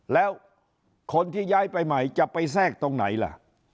แล้วคนที่ย้ายไปใหม่จะไปแทรกตรงไหนล่ะ